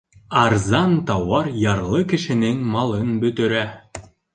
Арзан тауар ярлы кешенең малын бөтөрә.